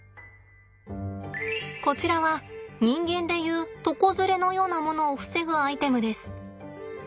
こちらは人間で言う床ずれのようなものを防ぐアイテムです。